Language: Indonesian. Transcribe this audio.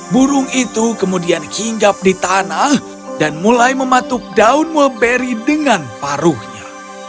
burung itu kemudian hinggap di tanah dan mulai mematuk daun mulberi dengan paruhnya